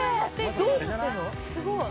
どうなってるの？」